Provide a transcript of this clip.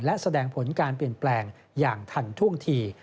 และแสดงผลการเปลี่ยนแปลงอย่างทันท่วงที